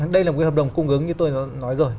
đây là một cái hợp đồng cung ứng như tôi nói rồi